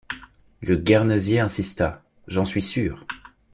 Le guernesiais insista: — J’en suis sûr.